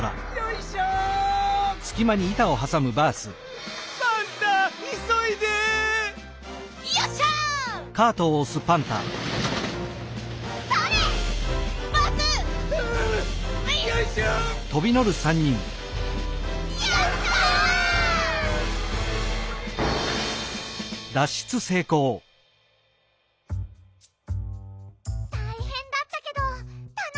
たいへんだったけどたのしかったッピ！